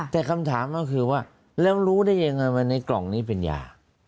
แต่คำถามก็คือว่าแล้วรู้ได้ยังไงว่าในกล่องนี้เป็นยา